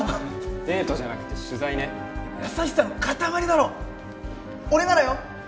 デートじゃなくて取材ね優しさの塊だろ俺ならよ